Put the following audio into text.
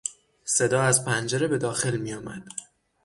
صدا از پنجره به داخل میآمد.